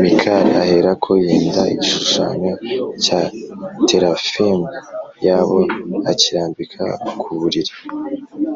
Mikali aherako yenda igishushanyo cya terafimu yabo akirambika ku buriri